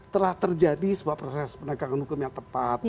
telah terjadi sebuah proses penegakan hukum yang tepat